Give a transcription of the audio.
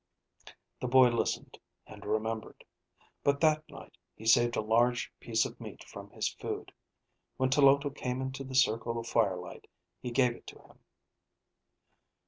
The boy listened, and remembered. But that night, he saved a large piece of meat from his food. When Tloto came into the circle of firelight, he gave it to him.